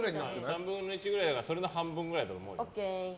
３分の１だからそれの半分くらいだと思うよ。